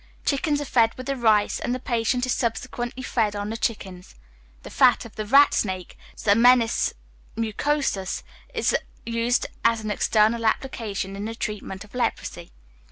Chickens are fed with the rice, and the patient is subsequently fed on the chickens. The fat of the rat snake (Zamenis mucosus) is used as an external application in the treatment of leprosy.